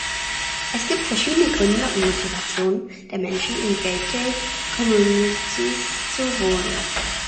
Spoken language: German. Es gibt verschiedene Gründe und Motivationen der Menschen, in Gated Communities zu wohnen.